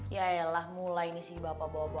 yaelah mulai nih si bapak bawa bawa